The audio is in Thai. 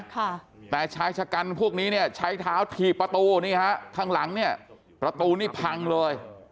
ค่ะแต่ชายชะกันพวกนี้เนี่ยใช้เท้าถีบประตูนี่ฮะข้างหลังเนี่ยประตูนี่พังเลย